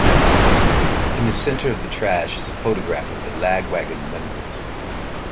In the center of the trash is a photograph of the Lagwagon members.